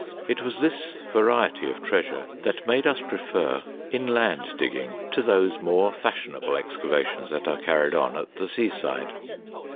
It was this variety of treasure that made us prefer inland digging 108 THE DAY BEFORE YESTERDAY to those more fashionable excavations that are carried on at the seaside.